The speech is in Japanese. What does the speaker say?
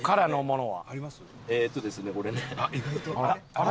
あれ？